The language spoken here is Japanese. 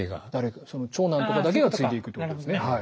長男とかだけが継いでいくってことですね。